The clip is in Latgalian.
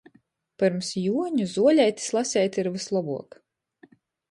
Pyrms Juoņu zuoleitis laseit ir vyslobuok.